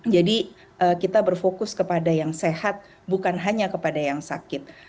jadi kita berfokus kepada yang sehat bukan hanya kepada yang sakit